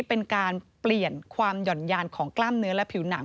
เป็นการเปลี่ยนความหย่อนยานของกล้ามเนื้อและผิวหนัง